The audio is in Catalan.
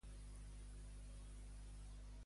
Què va succeir en contra de Bolsonaro?